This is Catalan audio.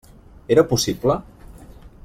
Era possible?